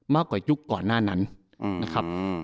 มากกว่ายุคก่อนหน้านั้นนะครับ